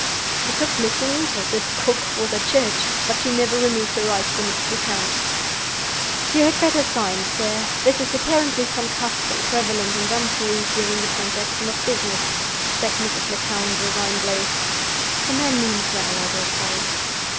The cook listened as if the cook was at church: but she never removed her eyes from Mrs. Lecount. "You had better sign, sir. This is apparently some custom prevalent in Dumfries during the transaction of business," said Mrs. Lecount, resignedly. "The man means well, I dare say."